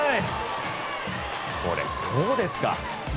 これ、どうですか。